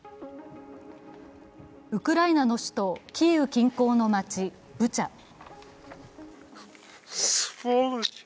ウクライナの首都キーウ近郊の街ブチャ。